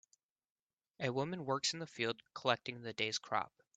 A woman works in the field collecting the day 's crop.